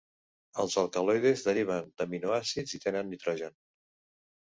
Els alcaloides deriven d'aminoàcids i tenen nitrogen.